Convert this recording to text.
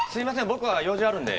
僕は用事あるんで。